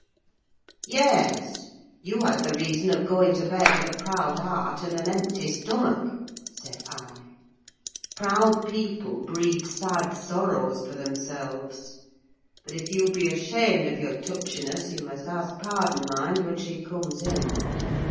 "Yes: you had the reason of going to bed with a proud heart and an empty stomach," said I. "Proud people breed sad sorrows for themselves. But, if you be ashamed of your touchiness, you must ask pardon, mind, when she comes in.